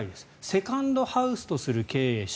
セカンドハウスとする経営者